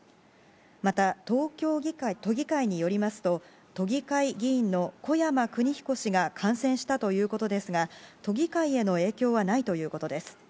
また東京都議会によりますと、都議会議員の小山くにひこ氏が感染したということですが、都議会への影響はないということです。